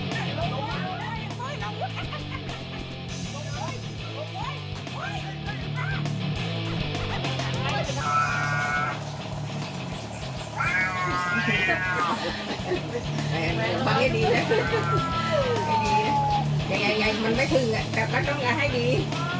อย่างไงมันไม่ถือแต่ก็ต้องร้ายให้ดี